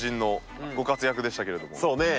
そうね。